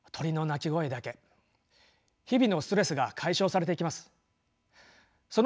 日々のストレスが解消されていきます。